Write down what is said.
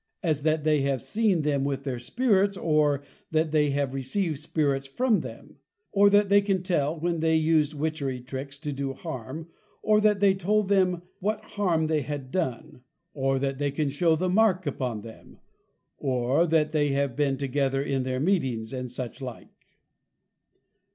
As, that they have seen them with their Spirits or, that they have Received Spirits from them; or that they can tell, when they used Witchery Tricks to Do Harm; or, that they told them what Harm they had done; or that they can show the mark upon them; or, that they have been together in their Meetings; and such like.